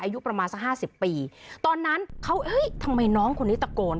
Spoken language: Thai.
อายุประมาณสักห้าสิบปีตอนนั้นเขาเอ้ยทำไมน้องคนนี้ตะโกน